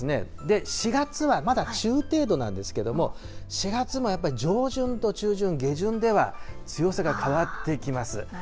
で、４月はまだ中程度なんですけども、４月もやっぱり上旬と中旬、下旬では、強さが変わってきます。